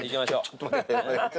ちょっと待って。